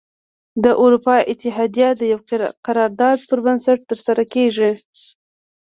د اروپا اتحادیه د یوه قرار داد پر بنسټ تره سره کیږي.